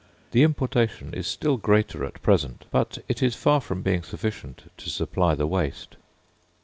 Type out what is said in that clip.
The importation is still greater at present, but it is far from being sufficient to supply the waste.